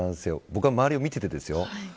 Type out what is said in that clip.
僕が周りを見ててですよ